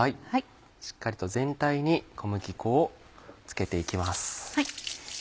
しっかりと全体に小麦粉を付けて行きます。